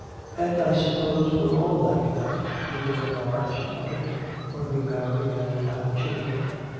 "And I suppose we're all like that, we women are," she muttered, "when we marry and have children.